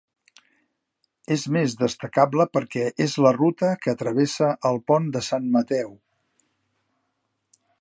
És més destacable perquè és la ruta que travessa el pont de San Mateo.